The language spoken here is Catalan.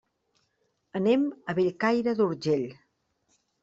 Anem a Bellcaire d'Urgell.